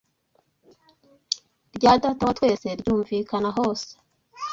rya Data wa twese ryumvikana hose